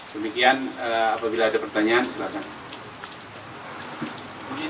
demikian apabila ada pertanyaan silahkan